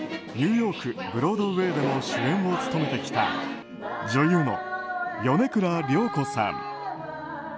ニューヨーク・ブロードウェーでも主演を務めてきた女優の米倉涼子さん。